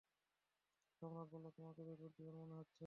সম্রাট বলল, তোমাকে বেশ বুদ্ধিমান মনে হচ্ছে।